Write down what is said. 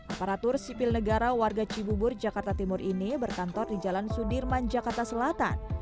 aparatur sipil negara warga cibubur jakarta timur ini berkantor di jalan sudirman jakarta selatan